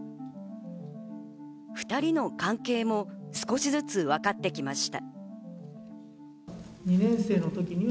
２人の関係も少しずつわかってきました。